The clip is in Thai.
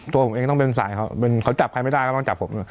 ตัวผมเองต้องเป็นสายเขาจับใครไม่ได้ก็ต้องจับผม